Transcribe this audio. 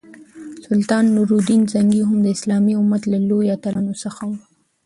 سلطان نور الدین زنګي هم د اسلامي امت له لویو اتلانو څخه وو.